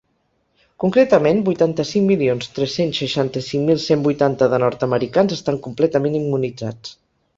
Concretament, vuitanta-cinc milions tres-cents seixanta-cinc mil cent vuitanta de nord-americans estan completament immunitzats.